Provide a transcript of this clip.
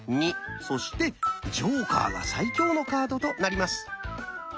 そしてジョーカーが最強のカードとなります。